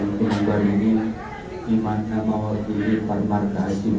assalamualaikum warahmatullahi wabarakatuh